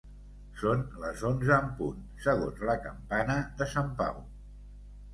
Són les onze en punt segons la campana de Sant Pau.